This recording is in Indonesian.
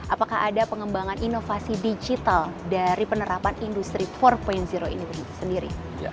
apakah ada pengembangan inovasi digital dari penerapan industri empat ini sendiri